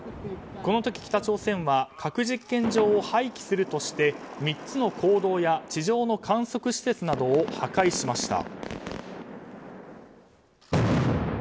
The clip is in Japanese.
この時、北朝鮮は核実験場を廃棄するとして３つの坑道や地上の観測施設などを破壊しました。